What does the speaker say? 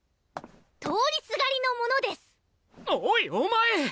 通りすがりの者ですおいお前！